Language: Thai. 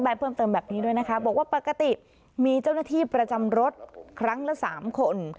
บอกว่าปกติมีเจ้าหน้าที่ประจำรถครั้งละสามคน